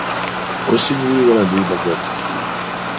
Осенью и воробей богат.